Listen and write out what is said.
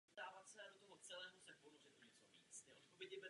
Druhé vylepšení je výrazně složitější a důležitější.